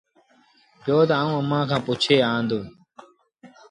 بيٚهو تا آئوٚݩ اَمآݩ کآݩ پُڇي آن۔